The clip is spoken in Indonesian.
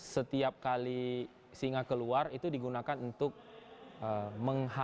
setiap kali singa keluar itu digunakan untuk mengharapkan